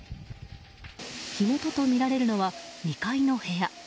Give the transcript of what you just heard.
火元とみられるのは２階の部屋。